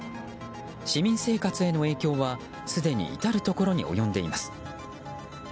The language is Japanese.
市民生活への影響はすでに至るところに及んでいます。